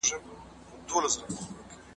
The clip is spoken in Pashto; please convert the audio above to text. اقتصاد د بنسټیزو سرچینو کارونې قوانین ښيي.